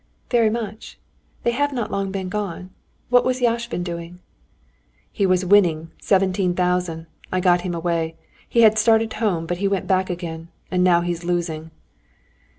"Very much. They have not long been gone. What was Yashvin doing?" "He was winning—seventeen thousand. I got him away. He had really started home, but he went back again, and now he's losing."